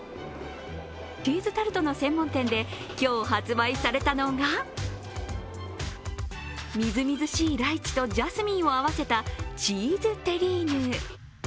チーズタルトの専門店で今日、発売されたのがみずみずしいライチとジャスミンを合わせたチーズテリーヌ。